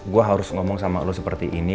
karena gue gak bisa ngomong sama dia seperti ini